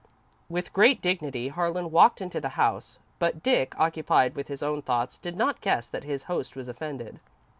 With great dignity, Harlan walked into the house, but Dick, occupied with his own thoughts, did not guess that his host was offended.